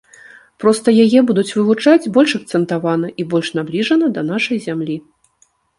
Проста яе будуць вывучаць больш акцэнтавана і больш набліжана да нашай зямлі.